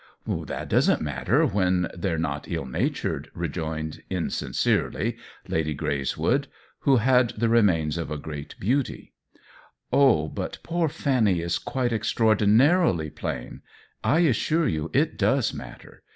'* "That doesn't matter, when they're not ill natured," rejoined, insincerely, Lady Greys wood, who had the remains of great beauty. " Oh, but poor Fanny is quite extraordi narily plain. I assure you it docs matter.